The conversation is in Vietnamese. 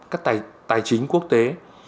các tài chính quốc tế